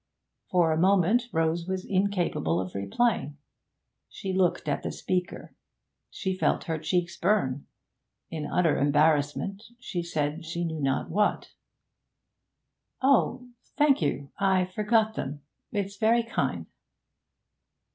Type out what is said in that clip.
For a moment Rose was incapable of replying; she looked at the speaker; she felt her cheeks burn; in utter embarrassment she said she knew not what. 'Oh! thank you! I forgot them. It's very kind.'